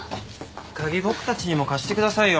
鍵僕たちにも貸してくださいよ。